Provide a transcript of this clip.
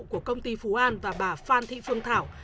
của công ty phú an và bà phan thị phương thảo